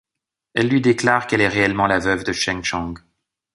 Elle lui déclare qu'elle est réellement la veuve de Cheng Chang.